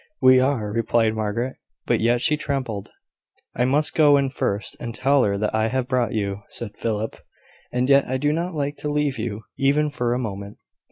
"We are," replied Margaret; but yet she trembled. "I must go in first, and tell her that I have brought you," said Philip. "And yet I do not like to leave you, even for a moment."